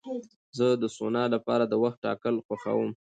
زه د سونا لپاره د وخت ټاکل خوښوم.